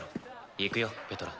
行くよペトラ。